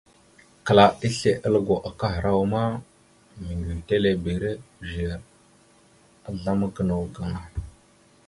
Kəla asle a lugo kahərawa ma, meŋgʉwetelebire gʉzer azzlam gənaw gaŋa.